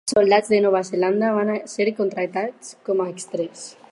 Soldats de Nova Zelanda van ser contractats com a extres.